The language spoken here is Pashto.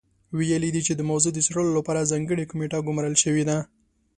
ویلي یې دي چې د موضوع د څېړلو لپاره ځانګړې کمېټه ګمارل شوې ده.